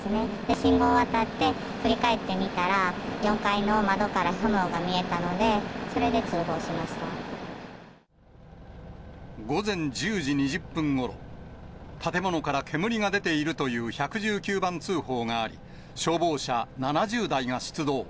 信号渡って、振り返って見たら、４階の窓から炎が見えたので、午前１０時２０分ごろ、建物から煙が出ているという１１９番通報があり、消防車７０台が出動。